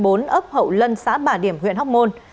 ở ấp hậu lân xã bà điểm huyện hóc môn